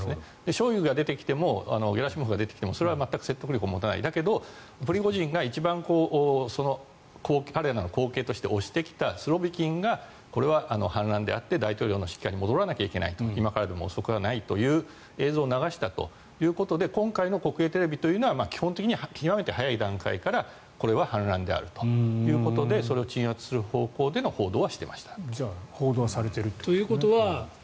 ショイグが出てきてもゲラシモフが出てきてもそれは全く説得力を持たないけどだけどプリゴジンが一番、彼らの後継として推してきたスロビキンがこれは反乱であって大統領の指揮下に戻らないといけないと今からでも遅くはないという映像を流したということで今回の国営テレビというのは基本的に極めて早い段階からこれは反乱であるということでそれを鎮圧する方向での報道はしていました。